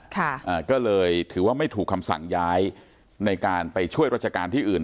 อ่าก็เลยถือว่าไม่ถูกคำสั่งย้ายในการไปช่วยราชการที่อื่น